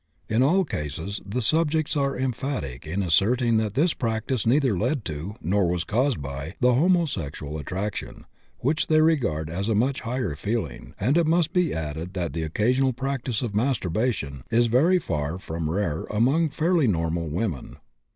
In all cases the subjects are emphatic in asserting that this practice neither led to, nor was caused by, the homosexual attraction, which they regard as a much higher feeling, and it must be added that the occasional practice of masturbation is very far from rare among fairly normal women.